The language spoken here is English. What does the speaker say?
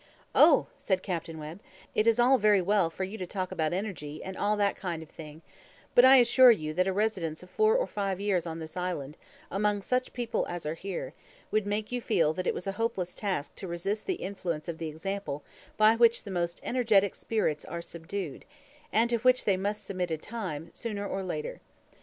"Oh," said Capt. Webb, "it is all very well for you to talk about energy and all that kind of thing, but I assure you that a residence of four or five years on this island, among such people as are here, would make you feel that it was a hopeless task to resist the influence of the example by which the most energetic spirits are subdued, and to which they must submit in time, sooner or later.